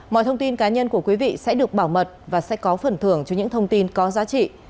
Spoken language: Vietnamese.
mọi thông tin cá nhân của quý vị sẽ được bảo mật và sẽ có phần thưởng cho những thông tin có giá trị